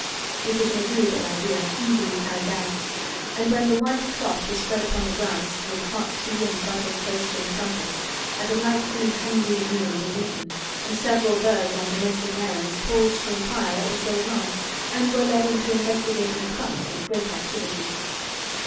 It was an agreeable idea, easily carried out, and when the white cloth was spread upon the grass, with hot tea and buttered toast and crumpets, a delightfully hungry meal was eaten, and several birds on domestic errands paused to inquire what was going on and were led into investigating crumbs with great activity.